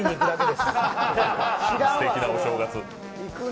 すてきな正月。